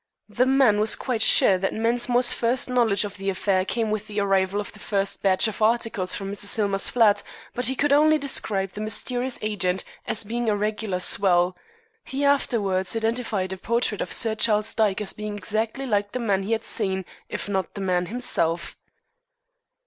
The man was quite sure that Mensmore's first knowledge of the affair came with the arrival of the first batch of articles from Mrs. Hillmer's flat, but he could only describe the mysterious agent as being a regular swell. He afterwards identified a portrait of Sir Charles Dyke as being exactly like the man he had seen, if not the man himself."